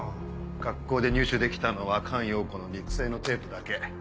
学校で入手できたのは菅容子の肉声のテープだけ。